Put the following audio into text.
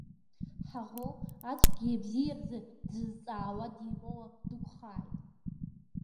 Ҳаӷоу ацәгьеи абзиеи рзы дзызҵаауа димоуа дықәхааит.